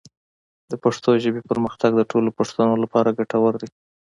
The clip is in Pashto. د پښتو ژبې پرمختګ د ټولو پښتنو لپاره ګټور دی.